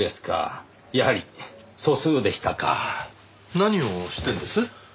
何をしてるんです？